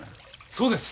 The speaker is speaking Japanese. そうです。